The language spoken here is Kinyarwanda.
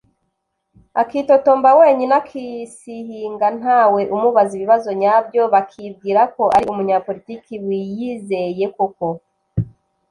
akitotomba wenyine, akisihinga ntawe umubaza ibibazo nyabyo, bakibwira ko ari umunyapolitiki wiyizeye koko